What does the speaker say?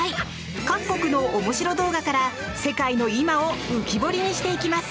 各国のおもしろ動画から世界の今を浮き彫りにしていきます。